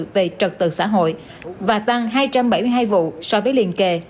về trật tự xã hội và tăng hai trăm bảy mươi hai vụ so với liên kề